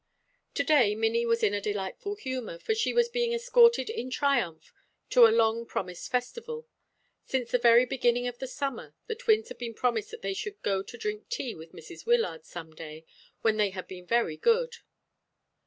To day Minnie was in a delightful humour, for she was being escorted in triumph to a long promised festival. Since the very beginning of the summer the twins had been promised that they should go to drink tea with Mrs. Wyllard some day when they had been very good.